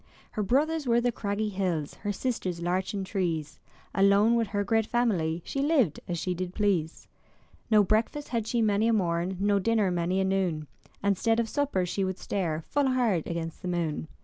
Her brothers were the craggy hills, Her sisters larchen trees; Alone with her great family She lived as she did please. No breakfast had she many a morn. No dinner many a noon, And 'stead of supper she would stare Full hard against the moon.